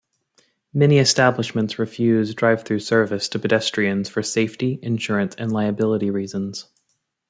Many establishments refuse drive-through service to pedestrians for safety, insurance, and liability reasons.